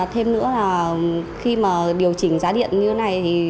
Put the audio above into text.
thêm nữa khi điều chỉnh giá điện như thế này